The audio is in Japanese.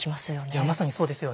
いやまさにそうですよね。